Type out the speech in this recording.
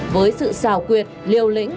với sự xào quyệt liều lĩnh